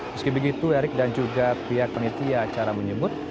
meski begitu erick dan juga pihak penitia acara menyebut